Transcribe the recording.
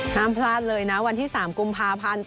ห้ามพลาดเลยนะวันที่๓กุมภาพันธ์